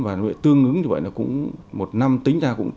và tương đối như vậy là cũng một năm tính ra cũng chứa